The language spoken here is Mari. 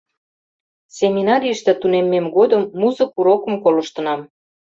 Семинарийыште тунеммем годым музык урокым колыштынам.